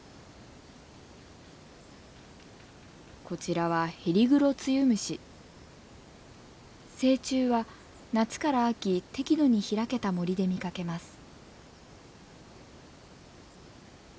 こちらは成虫は夏から秋適度に開けた森で見かけます。